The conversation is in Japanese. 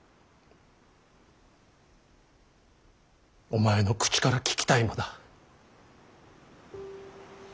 お前の口から聞きたいのだ。